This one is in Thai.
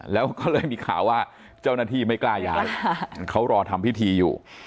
แล้วก็เลยมีข่าวว่าเจ้าหน้าที่ไม่กล้าย้ายเขารอทำพิธีอยู่